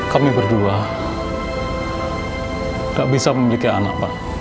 kami berdua tidak bisa memiliki anak pak